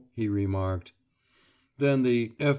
he remarked. Then the "F.